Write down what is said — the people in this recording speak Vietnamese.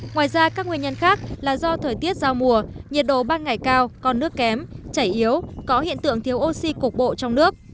ngoài ra các nguyên nhân khác là do thời tiết giao mùa nhiệt độ ban ngày cao con nước kém chảy yếu có hiện tượng thiếu oxy cục bộ trong nước